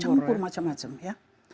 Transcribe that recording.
campur macam macam ya